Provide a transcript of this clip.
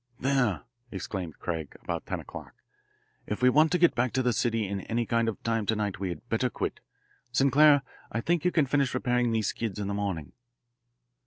"There," exclaimed Craig about ten o'clock. "If we want to get back to the city in any kind of time to night we had better quit. Sinclair, I think you can finish repairing these skids in the morning."